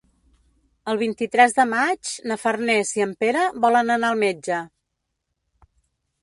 El vint-i-tres de maig na Farners i en Pere volen anar al metge.